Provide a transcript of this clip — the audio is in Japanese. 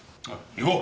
行こう。